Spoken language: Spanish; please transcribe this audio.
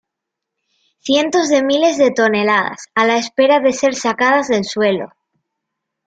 Cientos de miles de toneladas, a la espera de ser sacadas del suelo.